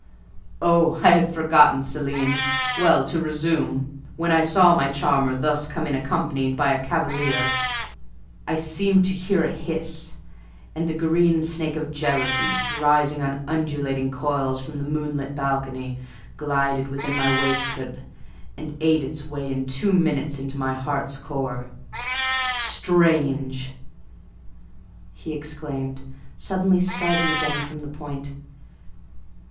"Oh, I had forgotten Céline! Well, to resume. When I saw my charmer thus come in accompanied by a cavalier, I seemed to hear a hiss, and the green snake of jealousy, rising on undulating coils from the moonlit balcony, glided within my waistcoat, and ate its way in two minutes to my heart's core. Strange!" he exclaimed, suddenly starting again from the point.